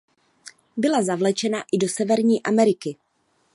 Byla zavlečena i do Severní Ameriky.